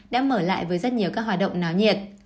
đã mở lại với rất nhiều các hoạt động náo nhiệt